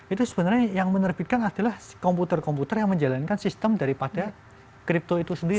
itu sebenarnya yang menerbitkan adalah komputer komputer yang menjalankan sistem daripada crypto itu sendiri